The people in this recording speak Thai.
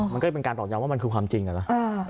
มันก็เป็นการตอบยอมว่ามันคือความจริงอ่ะล่ะเออเออ